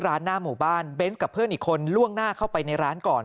หน้าหมู่บ้านเบนส์กับเพื่อนอีกคนล่วงหน้าเข้าไปในร้านก่อน